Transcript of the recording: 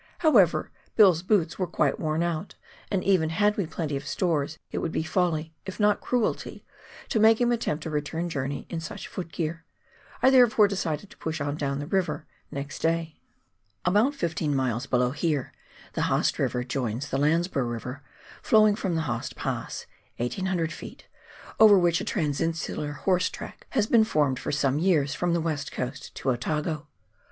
However, Bill's boots were quite worn out, and even had we plenty of stores it would be folly — if not cruelty — to make him attempt a return journey in such foot gear. I there fore decided to push on down the river next day. LANDSBOROUGH RIVER. 221 About fifteen miles below here, the Haast Ptiver joins tbe Landsborougb flowing from the Haast Pass (1,800 ft.), over which a transinsular horse track has been formed for some years from the "West Coast to Otago.